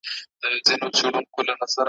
د مرګ په خوب به چېرته ویده یم `